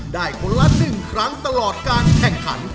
คนละ๑ครั้งตลอดการแข่งขัน